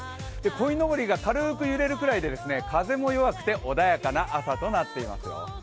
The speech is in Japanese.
こいのぼりが軽く揺れるくらいで風も弱くて穏やかな朝となっていますよ。